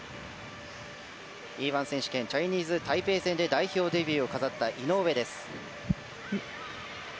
Ｅ‐１選手権チャイニーズタイペイ戦で代表デビューを飾った井上です。